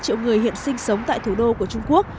trường truyện sinh sống tại thủ đô của trung quốc